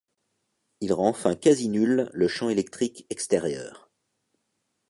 Il rend enfin quasi nul le champ électrique extérieur.